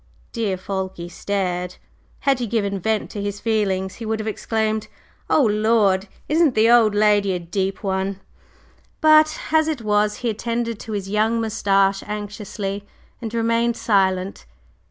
"Dear Fulke" stared. Had he given vent to his feelings he would have exclaimed: "Oh, Lord! isn't the old lady a deep one!" But as it was he attended to his young moustache anxiously and remained silent.